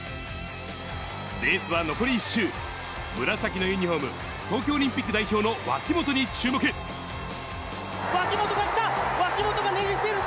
レースは残り１周、紫のユニホーム、東京オリンピック代表の脇本脇本が行った、脇本が逃げふせるか。